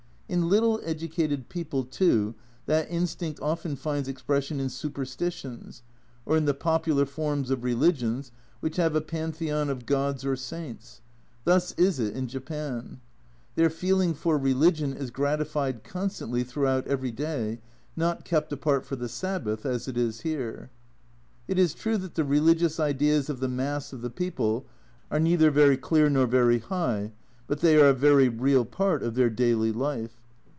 In little educated people too that instinct often finds expression in superstitions, or in the popular forms of religions which have a pantheon of gods or saints. Thus is it in Japan. Their feeling for religion is gratified constantly throughout every day, not kept apart for the Sabbath, as it is here. It is true that the religious ideas of the mass of the people are neither very clear nor very high, but they are a very real part of their daily life.